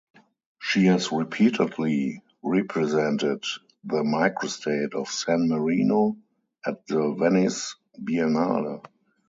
She has repeatedly represented the microstate of San Marino at the Venice Biennale.